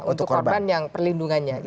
untuk korban yang perlindungannya